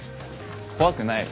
怖くないよ。